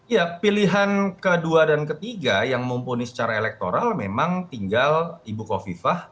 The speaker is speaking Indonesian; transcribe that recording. ya pilihan kedua dan ketiga yang mumpuni secara elektoral memang tinggal ibu kofifah